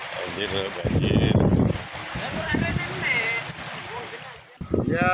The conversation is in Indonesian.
panjang tanggul mencapai sebelas meter